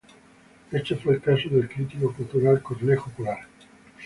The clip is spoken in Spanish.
Este fue el caso del crítico cultural Cornejo Polar.